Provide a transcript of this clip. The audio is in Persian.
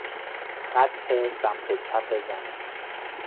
خط سمت چپ زمین